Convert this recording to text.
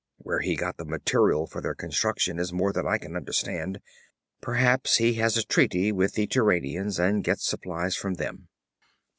Where he got the material for their construction is more than I can understand. Perhaps he has a treaty with the Turanians, and gets supplies from them.